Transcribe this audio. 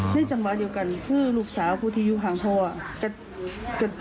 ในจังหวะเดี๋ยวกันคือลูกสาวที่อยู่ฟังภาพ